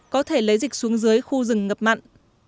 có thể lấy dịch xuống dưới khu rừng ngập mặn